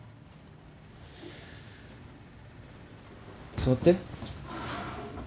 座って。